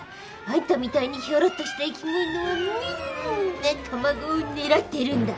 あんたみたいにヒョロッとした生き物はみんな卵を狙ってるんだ。